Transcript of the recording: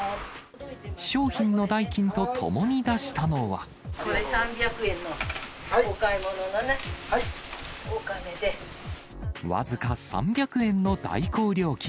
商品の代金とともに出したのこれ、３００円のお買い物の僅か３００円の代行料金。